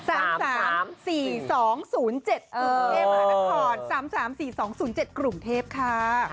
เออเอมมาตั้งความ๓๓๔๒๐๗กรุงเทพค่ะ